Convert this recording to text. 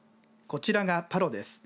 こちらがパロです。